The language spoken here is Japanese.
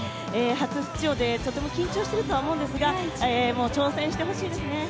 初出場でとても緊張しているとは思うんですが、挑戦してほしいですね。